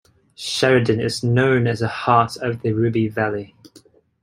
Sheridan is known as the heart of the Ruby Valley.